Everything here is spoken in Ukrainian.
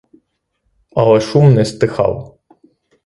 Але шум не стихав.